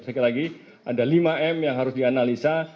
sekali lagi ada lima m yang harus dianalisa